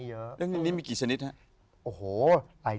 แล้วมายุณีมีกี่ชนิดนะ